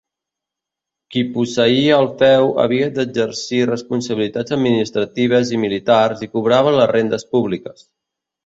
Qui posseïa el feu havia d'exercir responsabilitats administratives i militars i cobrava les rendes públiques.